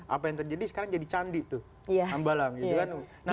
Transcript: apa yang terjadi sekarang jadi candi tuh hambalang